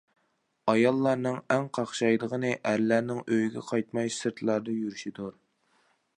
ئاياللارنىڭ ئەڭ قاقشايدىغىنى ئەرلەرنىڭ ئۆيىگە قايتماي سىرتلاردا يۈرۈشىدۇر.